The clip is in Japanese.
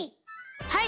はい！